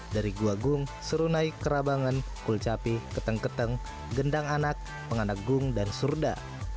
dari gua gung seru naik kerabangan kulcapi keteng keteng gendang anak penganak gung dan surda